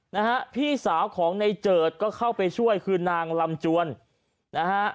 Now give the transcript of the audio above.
นะฮะพี่สาวของในเจิดก็เข้าไปช่วยคือนางลำจวนนะฮะ